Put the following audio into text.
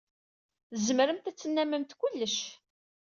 Tzemremt ad tennammemt kullec.